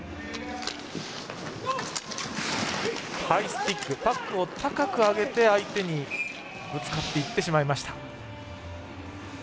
ハイスティックパックを高く上げて相手にぶつかっていってしまいました。